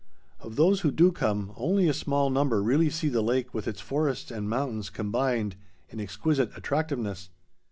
Of those who do come, only a small number really see the lake with its forests and mountains combined in exquisite attractiveness.